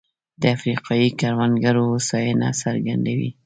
د افریقايي کروندګرو هوساینه څرګندوي.